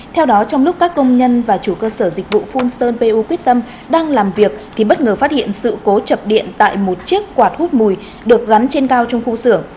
theo đó trong lúc các công nhân và chủ cơ sở dịch vụ phun sơn pu quyết tâm đang làm việc thì bất ngờ phát hiện sự cố chập điện tại một chiếc quạt hút mùi được gắn trên cao trong khu xưởng